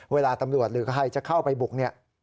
เวลาตำรวจหรือใครจะเข้าไปบุกเนี่ย